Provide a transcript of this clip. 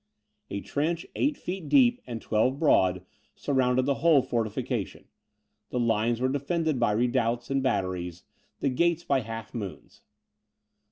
A trench, eight feet deep and twelve broad, surrounded the whole fortification; the lines were defended by redoubts and batteries, the gates by half moons.